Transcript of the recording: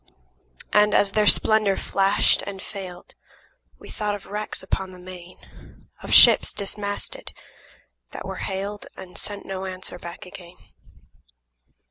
And, as their splendor flashed and failed, We thought of wrecks upon the main, – Of ships dismasted, that were hailed And sent no answer back again.